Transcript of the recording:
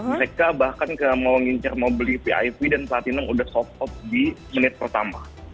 mereka bahkan mau ngincar mau beli vip dan platinum udah soft out di menit pertama